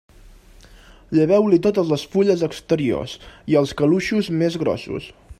Lleveu-li totes les fulles exteriors i els caluixos més grossos.